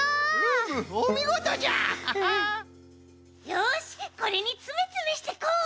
よしこれにつめつめしていこう。